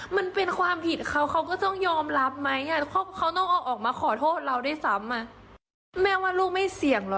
แม่ว่าลูกไม่เสียงหรอ